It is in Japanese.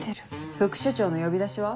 副署長の呼び出しは？